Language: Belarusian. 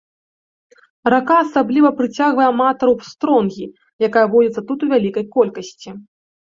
Рака асабліва прыцягвае аматараў стронгі, якая водзіцца тут у вялікай колькасці.